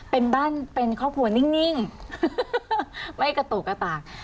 เป็นบ้านเป็นครอบครัวนิ่งไม่กระตุกกระตาก